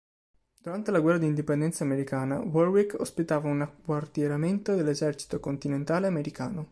Durante la guerra di indipendenza americana Warwick ospitava un acquartieramento dell'Esercito Continentale Americano.